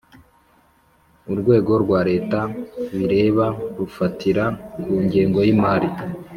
Urwego rwa Leta bireba rufatira kugengo y’imari